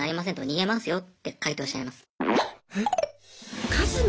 逃げますよって回答しちゃいます。